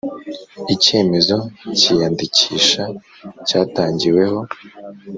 icyemezo cy iyandikisha cyatangiweho